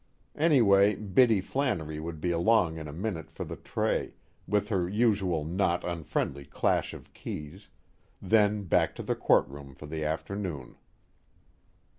Anyway Biddy Flannery would be along in a minute for the tray, with her usual not unfriendly clash of keys; then back to the courtroom for the afternoon.